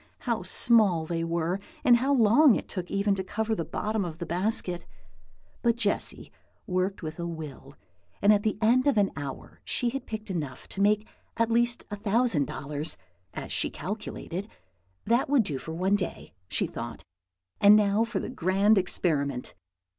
how small they were, and how long it took even to cover the bottom of the basket. But Jessy worked with a will, and at the end of an hour she had picked enough to make at least a thousand dollars, as she calculated. That would do for one day, she thought; and now for the grand experiment!